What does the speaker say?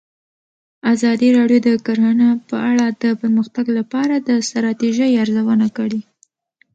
ازادي راډیو د کرهنه په اړه د پرمختګ لپاره د ستراتیژۍ ارزونه کړې.